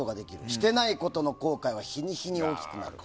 していないことの後悔は日に日に大きくなる。